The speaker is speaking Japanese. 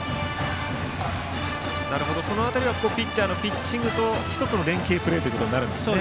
その辺りはピッチャーのピッチングと１つの連係プレーなんですね。